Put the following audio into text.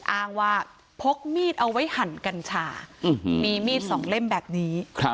อ้างว่าพกมีดเอาไว้หั่นกัญชามีมีดสองเล่มแบบนี้